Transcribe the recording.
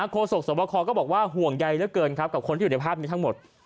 โศกสวบคอก็บอกว่าห่วงใยเหลือเกินครับกับคนที่อยู่ในภาพนี้ทั้งหมด